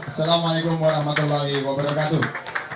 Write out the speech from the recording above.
assalamualaikum warahmatullahi wabarakatuh